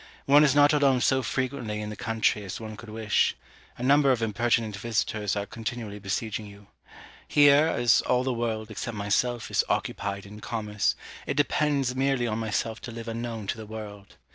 One is not alone so frequently in the country as one could wish: a number of impertinent visitors are continually besieging you. Here, as all the world, except myself, is occupied in commerce, it depends merely on myself to live unknown to the world.